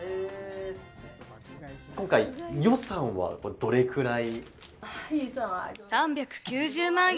今回予算はどれぐらい？